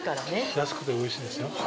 安くておいしいですよ。